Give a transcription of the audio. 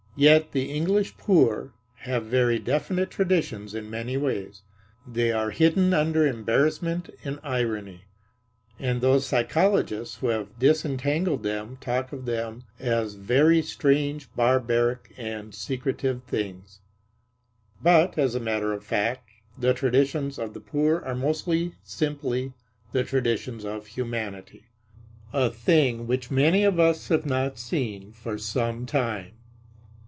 Yet the English poor have very definite traditions in many ways. They are hidden under embarrassment and irony; and those psychologists who have disentangled them talk of them as very strange, barbaric and secretive things. But, as a matter of fact, the traditions of the poor are mostly simply the traditions of humanity, a thing which many of us have not seen for some time.